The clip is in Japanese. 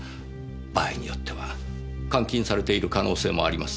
場合によっては監禁されている可能性もあります。